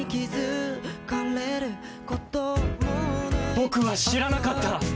僕は知らなかった。